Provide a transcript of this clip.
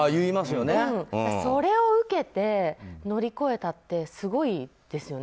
それを受けて、乗り越えたってすごいですよね。